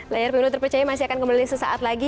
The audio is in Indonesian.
layar pemilu terpercaya masih akan kembali sesaat lagi